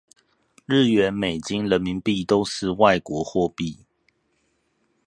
日圓美金人民幣都是外國貨幣